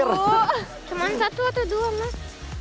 cuman satu atau dua mas